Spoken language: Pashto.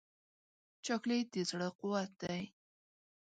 چاکلېټ د زړه قوت دی.